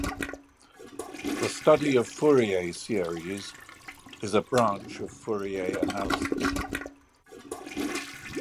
The study of Fourier series is a branch of Fourier analysis.